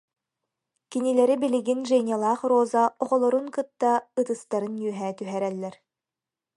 Кинилэри билигин Женялаах Роза оҕолорун кытта ытыстарын үөһэ түһэрэллэр